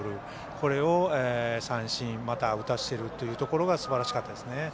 これを三振または打たせてるというのがすばらしかったですね。